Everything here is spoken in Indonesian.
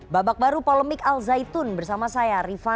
babak baru polemik al zaitun bersama saya rifana